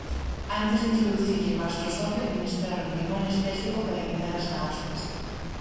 Antes de introducirlle o gastroscopio administráronlle un anestésico para evitar as náuseas.